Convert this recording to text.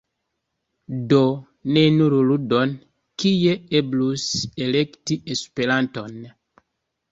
Do ne nur ludon, kie eblus “elekti" Esperanton.